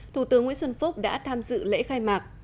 thủ tướng nguyễn xuân phúc đã tham dự lễ khai mạc